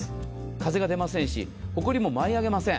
風が出ませんし、ほこりも舞い上げません。